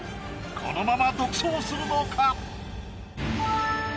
このまま独走するのか？